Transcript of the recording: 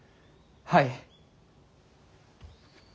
はい。